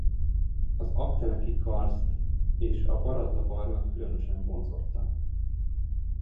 Az Aggteleki-karszt és a Baradla-barlang különösen vonzotta.